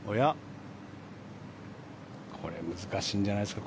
これ難しいんじゃないですか